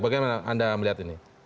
bagaimana anda melihat ini